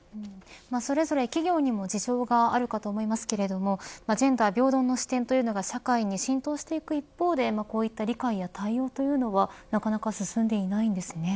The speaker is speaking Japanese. それぞれ企業にも事情があるかと思いますけれどジェンダー平等の視点が社会に浸透していく一方でこういった理解や対応というのはなかなか進んでいないんですね。